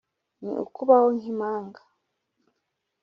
ni ukubaho nk’impanga